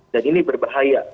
dan ini berbahaya